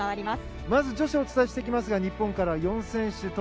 まず女子をお伝えしていきますが日本からは４選手。